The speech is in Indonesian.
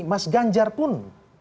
mas ganjar pun